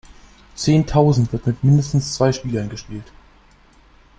Zehntausend wird mit mindestens zwei Spielern gespielt.